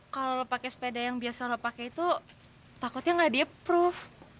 kalau lo pakai sepeda yang biasa lo pakai itu takutnya nggak di approve